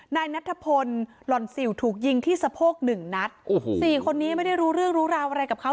นายนัทพลหล่อนสิวถูกยิงที่สะโพกหนึ่งนัดโอ้โหสี่คนนี้ไม่ได้รู้เรื่องรู้ราวอะไรกับเขา